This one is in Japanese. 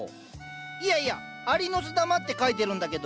いやいや「アリノスダマ」って書いてるんだけど。